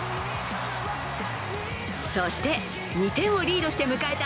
そして２点をリードして迎えた